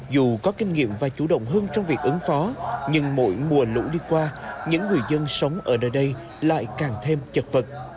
dù có kinh nghiệm và chủ động hơn trong việc ứng phó nhưng mỗi mùa lũ đi qua những người dân sống ở đây lại càng thêm chật vật